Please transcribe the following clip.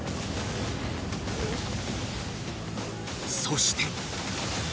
そして